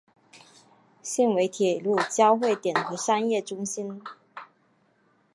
现为铁路交会点和商业中心。